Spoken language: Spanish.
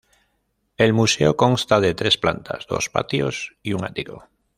El museo consta de tres plantas, dos patios y un ático.